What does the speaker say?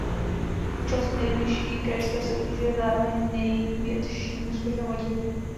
Účast v nejvyšší krajské soutěži je zároveň největším úspěchem oddílu.